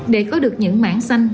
để có được những mảng xanh